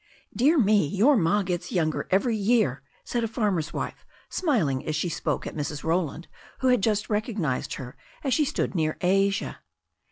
"Dear me, your ma gets younger every year," said a farmer's wife, smiling as she spoke at Mrs. Roland, who had just recognized her as she stood near Asia.